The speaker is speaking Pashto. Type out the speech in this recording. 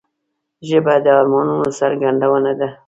ژبه د ارمانونو څرګندونه ده